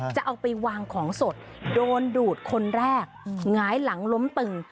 จะเอาไปวางของสดโดนดูดคนแรกหงายหลังล้มตึง